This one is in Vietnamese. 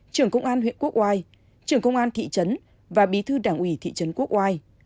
trưởng công an huyện quốc oai trưởng công an thị trấn và bí thư đảng ủy thị trấn quốc oai